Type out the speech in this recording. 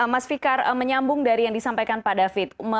mas fikar menyambung dari yang disampaikan pak david